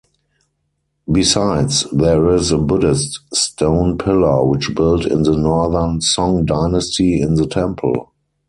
Besides, there is a Buddhist stone pillar which built in the Northern Song Dynasty in the temple.